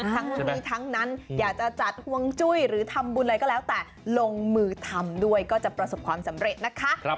ทั้งนี้ทั้งนั้นอยากจะจัดห่วงจุ้ยหรือทำบุญอะไรก็แล้วแต่ลงมือทำด้วยก็จะประสบความสำเร็จนะคะ